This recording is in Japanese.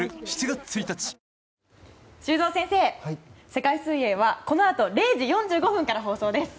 世界水泳は、このあと０時４５分から放送です。